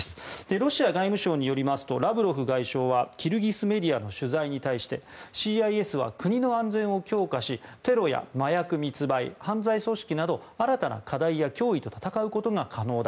ロシア外務省によりますとラブロフ外相はキルギスメディアの取材に対してＣＩＳは国の安全を強化しテロや麻薬密売、犯罪組織など新たな課題や脅威と戦うことが可能だ。